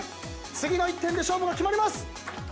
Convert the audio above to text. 次の１点で勝負が決まります。